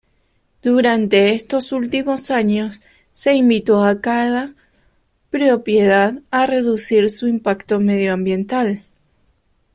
Durante estos últimos años, se invitó a cada propiedad a reducir su impacto medioambiental.